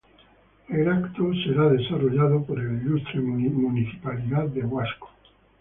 El evento será desarrollado por la Ilustre Municipalidad de Huasco.